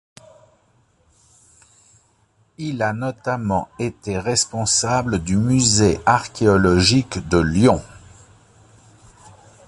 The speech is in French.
Il a notamment été responsable du musée archéologique de Lyon.